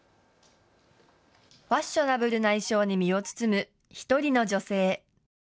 ファッショナブルな衣装に身を包む１人の女性。